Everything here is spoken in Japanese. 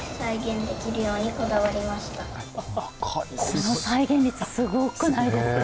これも再現率すごくないですか？